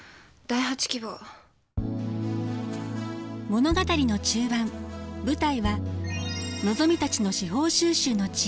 物語の中盤舞台はのぞみたちの司法修習の地